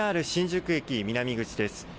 ＪＲ新宿駅南口です。